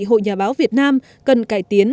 hội nhà báo việt nam cần cải tiến